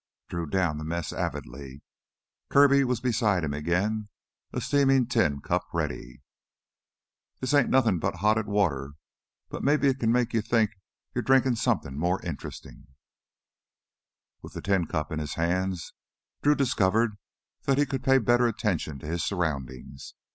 Drew downed the mass avidly. Kirby was beside him again, a steaming tin cup ready. "This ain't nothin' but hotted water. But maybe it can make you think you're drinkin' somethin' more interestin'." With the tin cup in his hands, Drew discovered he could pay better attention to his surroundings.